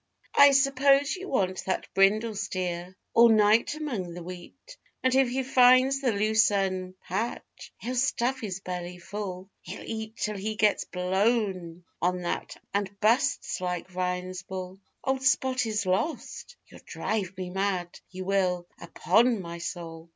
I s'pose you want that brindle steer All night among the wheat. And if he finds the lucerne patch, He'll stuff his belly full; He'll eat till he gets 'blown' on that And busts like Ryan's bull. Old Spot is lost? You'll drive me mad, You will, upon my soul!